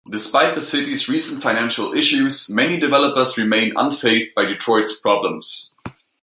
Despite the city's recent financial issues, many developers remain unfazed by Detroit's problems.